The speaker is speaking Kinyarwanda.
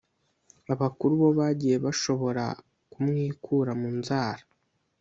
abakuru bo bagiye bashobora kumwikura mu nzara